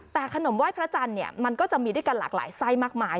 แต่ขนมไหว้พระจันทร์เนี่ยมันก็จะมีด้วยกันหลากหลายไส้มากมาย